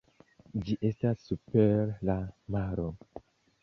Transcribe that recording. Ĝi estas super la maro.